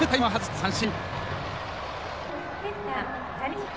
三振。